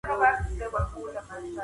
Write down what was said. که بزکشي وکړو نو جرات نه کمیږي.